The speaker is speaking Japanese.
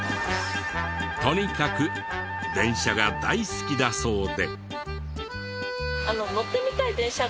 とにかく電車が大好きだそうで。